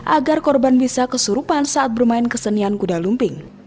agar korban bisa kesurupan saat bermain kesenian kuda lumping